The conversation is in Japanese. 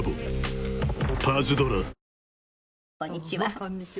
こんにちは。